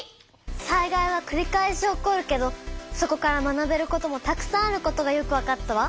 災害はくり返し起こるけどそこから学べることもたくさんあることがよくわかったわ！